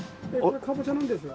かぼちゃなんですよ。